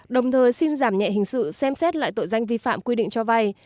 đồng thời xin giảm nhẹ hình sự xem xét lại tội danh vi phạm quy định cho vay